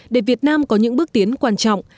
để việt nam có những bước tiến quan trọng